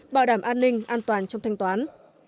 bảo đảm an ninh an toàn trong thanh toán